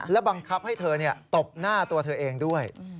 และบังคับให้เธอตบหน้าตัวเธอเองด้วย